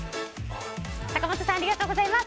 坂本さんありがとうございます。